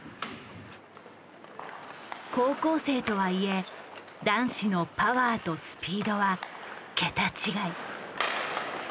高校生とはいえ男子のパワーとスピードは桁違い。